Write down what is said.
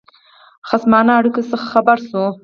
خصمانه اړېکو څخه خبر شو.